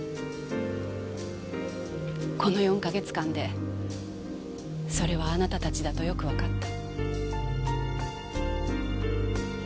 この４か月間でそれはあなたたちだとよくわかった。